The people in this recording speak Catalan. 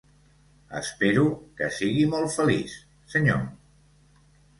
Espero que sigui molt feliç, senyor.